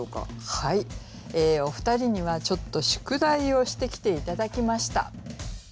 はいお二人にはちょっと宿題をしてきて頂きました。